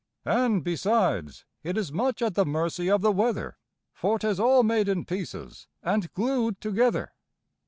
And, besides, it is much at the mercy of the weather For 'tis all made in pieces and glued together!